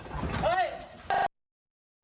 เฮ่ย